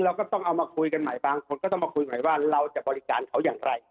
เราก็ต้องเอามาคุยกันใหม่บางคนก็ต้องมาคุยใหม่ว่าเราจะบริการเขาอย่างไร